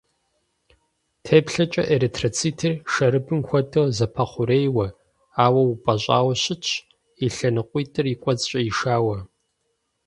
Теплъэкӏэ эритроцитыр шэрыбым хуэдэу зэпэхъурейуэ, ауэ упӏэщӏауэ щытщ, и лъэныкъуитӏыр и кӏуэцӏкӏэ ишауэ.